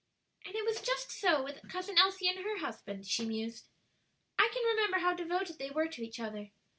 "And it was just so with cousin Elsie and her husband," she mused. "I can remember how devoted they were to each other.